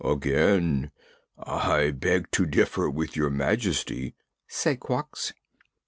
"Again I beg to differ with Your Majesty," said Quox.